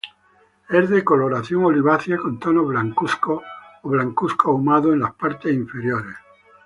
Es de coloración olivácea, con tonos blancuzco o blancuzco ahumado en las partes inferiores.